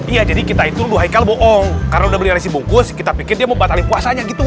iya jadi kita itu dua haikal bohong karena udah beli resi bungkus kita pikir dia mau batalin puasanya gitu